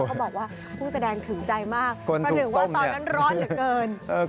เขาบอกว่าผู้แสดงถึงใจมากเพราะหนึ่งว่าตอนนั้นร้อนเหลือเกิน